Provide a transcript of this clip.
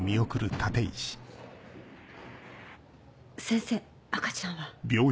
先生赤ちゃんは？